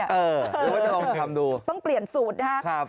เออต้องลองทำดูต้องเปลี่ยนสูตรนะคะ